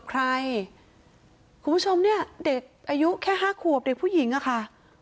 แค่๕ขวบเด็กผู้หญิงค่ะ